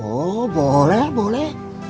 oh boleh boleh